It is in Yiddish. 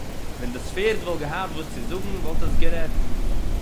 װען דאָס פֿערד װאָלט געהאַט װאָס צו זאָגן, װאָלט עס גערעדט.